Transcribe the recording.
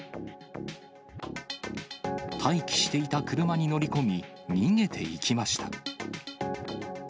待機していた車に乗り込み、逃げていきました。